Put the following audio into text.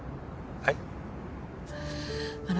はい。